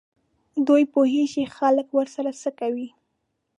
دوی پوهېږي خلک ورسره څه کوي.